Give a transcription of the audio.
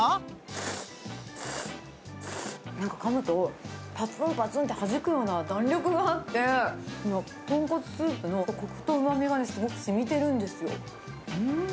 なんかかむと、ぱつんぱつんってはじくような弾力があって、豚骨スープのこくとうまみがすごくしみてるんですよ。